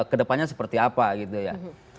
kedepannya seperti apa gitu ya